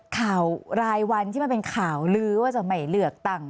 ข่าวรายวันที่มันเป็นข่าวลื้อว่าจะไม่เลือกตั้ง